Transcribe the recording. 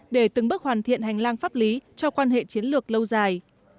để từng bước hoàn thiện hành lang pháp lý cho quan hệ chiến lược lâu dài